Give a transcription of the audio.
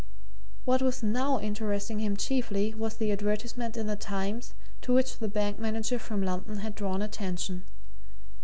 What was now interesting him chiefly was the advertisement in the Times to which the bank manager from London had drawn attention.